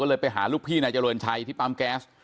เลยไปหาลูกพี่นายเจริญชัยที่ปั๊มแก๊ส